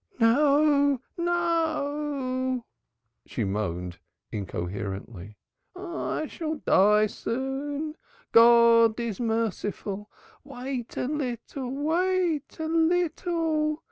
"No, no," she moaned incoherently. "I shall die soon. God is merciful. Wait a little, wait a little.